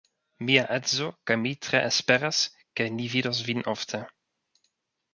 Mia edzo kaj mi tre esperas, ke ni vidos vin ofte.